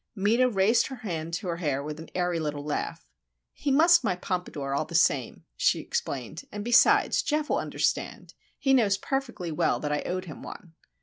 Meta raised her hand to her hair with an airy little laugh. "He mussed my pompadour, all the same," she explained. "And besides, Geof will understand. He knows perfectly well that I owed him one."